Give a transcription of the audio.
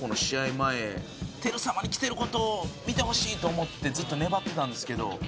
前耀さまに来てる事を見てほしいと思ってずっと粘ってたんですけど。